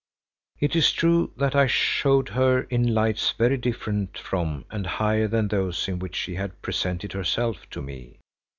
It is true that it showed her in lights very different from and higher than those in which she had presented herself to me.